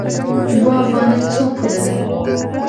یوه افغانۍ څو پوله ده؟